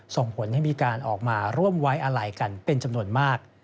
ส่งผลให้มีการออกมาร่วมไว้อาลัยกันเป็นจำนวนมาก